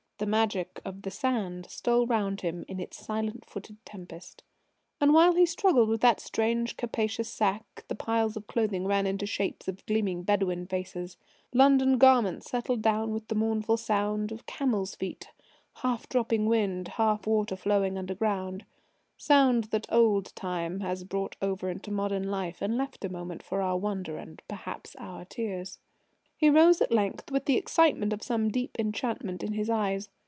The magic of the sand stole round him in its silent footed tempest. And while he struggled with that strange, capacious sack, the piles of clothing ran into shapes of gleaming Bedouin faces; London garments settled down with the mournful sound of camels' feet, half dropping wind, half water flowing underground sound that old Time has brought over into modern life and left a moment for our wonder and perhaps our tears. He rose at length with the excitement of some deep enchantment in his eyes.